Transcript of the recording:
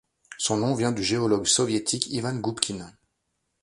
Son nom vient du géologue soviétique Ivan Goubkine.